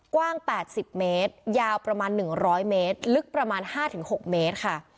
กว้าง๘๐เมตรยาวประมาณ๑๐๐เมตรลึกประมาณ๕๖เมตรค่ะ